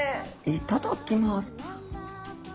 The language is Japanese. いただきます。